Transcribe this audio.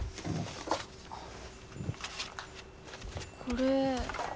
これ。